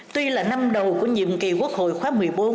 tuy là năm đầu của nhiệm kỳ quốc hội khóa một mươi bốn